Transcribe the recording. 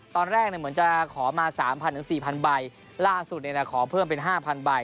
ตอนแรกเหมือนจะขอมา๓๐๐๔๐๐ใบล่าสุดขอเพิ่มเป็น๕๐๐ใบ